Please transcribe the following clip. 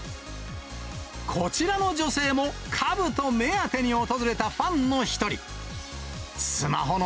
こちらの女性も、かぶと目当てに訪れたファンの一人。